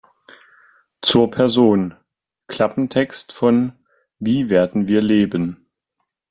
Zur Person: Klappentext von "Wie werden wir leben?